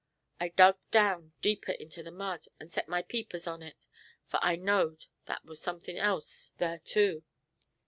I dug down deeper into the mud, and set my peepers on it, fur I knowed thar war sunkthin' else thar, too.